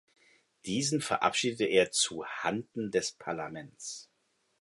Diesen verabschiedete er zuhanden des Parlaments.